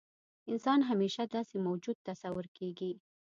انسان همیشه داسې موجود تصور کېږي.